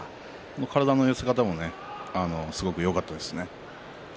体の寄せ方もすごくよかったですね。